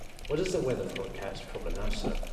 What is the weather forecast for Manassa?